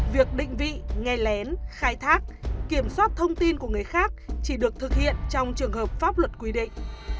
việc định vị nghe lén khai thác kiểm soát thông tin của người khác chỉ được thực hiện trong trường hợp pháp luật quy định